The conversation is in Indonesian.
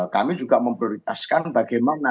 kami juga memprioritaskan bagaimana